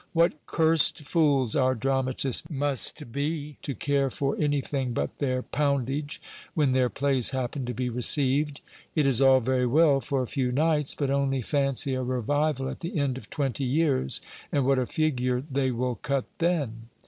What cursed fools our dramatists must be, to care for 408 GIL BLAS. anything but their poundage when their plays happen to be received ! It is all very well for a few nights ! But only fancy a revival at the end of twenty years, and what a figure they will cut then